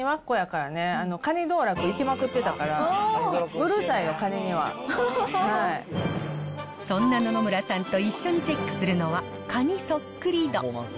かに道楽行きまくってたから、うそんな野々村さんと一緒にチェックするのは、カニそっくり度。